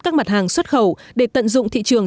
các mặt hàng xuất khẩu để tận dụng thị trường